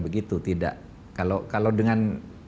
begitu tidak kalau dengan